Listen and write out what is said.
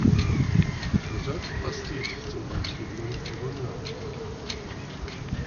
Joseph Bastide zum amtierenden Gouverneur.